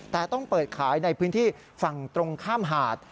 แต่ต้องเปิดขายในพื้นที่ฝั่งตรงข้ามหาด